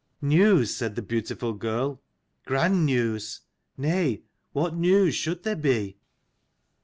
"News?" said the beautiful girl. "Grand news! Nay, what news should there be?"